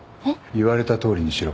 言われたとおりにしろ。